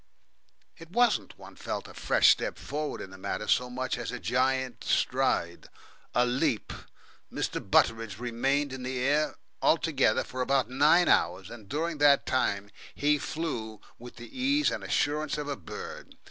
It wasn't, one felt, a fresh step forward in the matter so much as a giant stride, a leap. Mr. Butteridge remained in the air altogether for about nine hours, and during that time he flew with the ease and assurance of a bird.